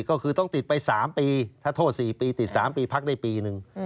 ก็คือต้องติดไป๓ปีถ้าโทษ๔ปีติด๓ปีพักได้ปีนึง